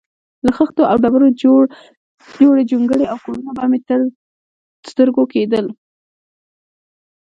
له خښتو او ډبرو جوړې جونګړې او کورونه به مې تر سترګو کېدل.